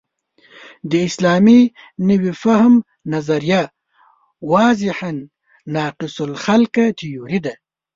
د اسلامي نوي فهم نظریه واضحاً ناقص الخلقه تیوري ده.